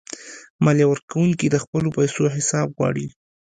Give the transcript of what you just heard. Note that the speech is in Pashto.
مالیه ورکونکي د خپلو پیسو حساب غواړي.